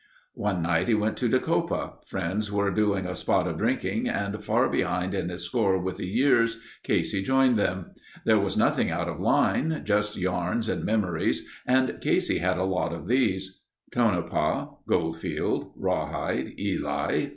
One night he went to Tecopa. Friends were doing a spot of drinking and far behind in his score with the years, Casey joined them. There was nothing out of line. Just yarns and memories and Casey had a lot of these. Tonopah. Goldfield. Rawhide. Ely.